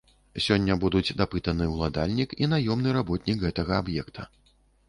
Сёння будуць дапытаны ўладальнік і наёмны работнік гэтага аб'екта.